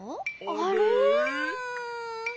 あれ？